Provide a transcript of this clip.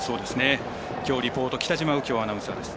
きょうリポート北嶋右京アナウンサーです。